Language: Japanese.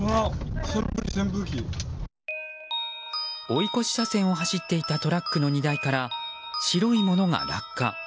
追い越し車線を走っていたトラックの荷台から白いものが落下。